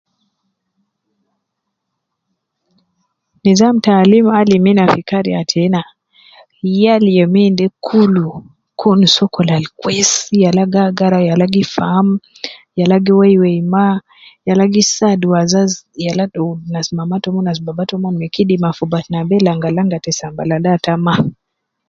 Nizam taalim alim ina fi Kariya tena, yal youm inde gi kulu kun sokol al kwesi, yala gi agara yala gi faam, yala gi Wei Wei ma, yala gi saadu wazazi, yala gi saadu nas mama tomon nas baba tomon me kidima fi batna be langa langa te sambala ata ma